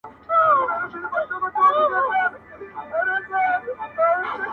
o له بدو څخه ښه زېږي، له ښو څخه واښه.